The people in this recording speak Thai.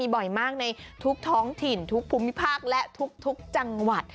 บ่อยมากในทุกท้องถิ่นทุกภูมิภาคและทุกจังหวัด